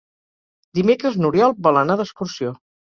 Dimecres n'Oriol vol anar d'excursió.